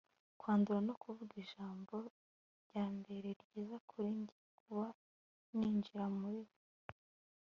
kwandura no kuvuga ijambo ryambere ryiza kuri njye kuva ninjira muri we